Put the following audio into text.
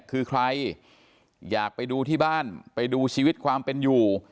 คือใครอยากไปดูที่บ้านไปดูชีวิตความเป็นอยู่